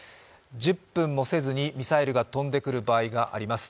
１０分もせずにミサイルが飛んでくる場合があります。